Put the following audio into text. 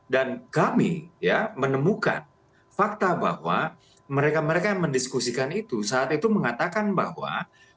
dan kami menemukan fakta bahwa mereka mereka yang mendiskusikan itu saat itu mengatakan bahwa